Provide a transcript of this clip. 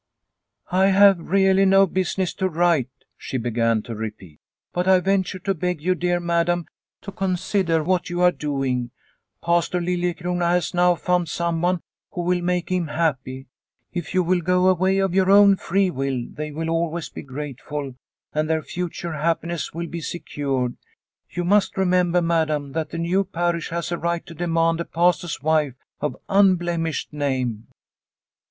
" I have really no business to write," she began to repeat, " but I venture to beg you, dear madam, to consider what you are doing. Pastor Liliecrona has now found someone who will make him happy. If you will go away of your own free will they will always be grateful and their future happiness will be secured. You must remember, madam, that the new The Accusation 239 parish has a right to demand a Pastor's wife of unblemished name."